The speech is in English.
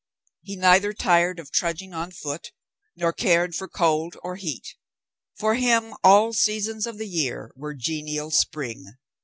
He neither tired of trudging on foot, nor cared for cold or heat. For him all seasons of the year were genial spring.